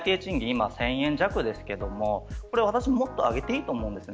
今１０００円弱ですけれど私もっと上げていいと思うんです。